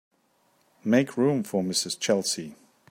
Make room for Mrs. Chelsea.